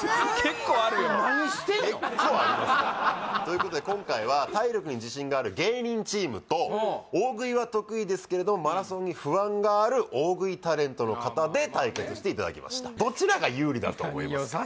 結構ありますということで今回は体力に自信がある芸人チームと大食いは得意ですけれどマラソンに不安がある大食いタレントの方で対決していただきましたどちらが有利だと思いますか？